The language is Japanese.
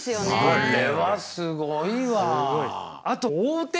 あれはすごいわ。